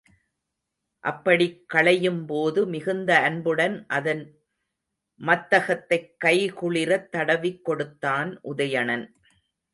அப்படிக் களையும்போது, மிகுந்த அன்புடன் அதன் மத்தகத்தைக் கைகுளிரத் தடவிக் கொடுத்தான் உதயணன்.